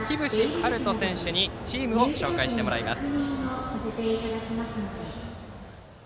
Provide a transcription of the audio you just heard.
遥斗選手にチームを紹介してもらいます。